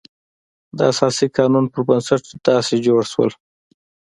د اساسي قانون پر بنسټ داسې جوړ شول.